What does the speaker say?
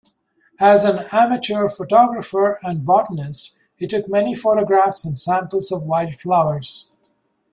As an amateur photographer and botanist he took many photographs and samples of wildflowers.